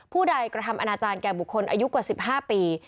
ผู้ใดกระทำอนาจารย์แก่บุคคลอายุกว่า๑๕ปี